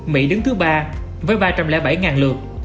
mỹ đứng thứ ba với ba trăm linh bảy lượt